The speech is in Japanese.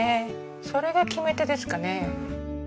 それが決め手ですかね。